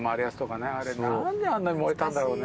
あれ何であんなに燃えたんだろうね。